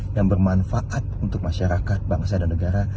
yang bermanfaat untuk masyarakat bangsa dan negara